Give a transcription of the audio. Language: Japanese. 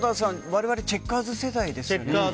我々チェッカーズ世代ですよね。